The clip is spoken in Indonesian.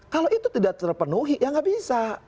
kalau itu tidak terpenuhi ya nggak bisa